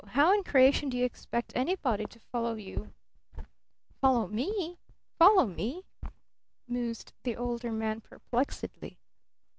How in creation do you expect anybody to follow you?" "Follow me? Follow me?" mused the Older Man perplexedly.